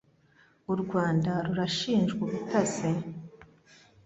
U Rwanda rurashinjwa ubutasi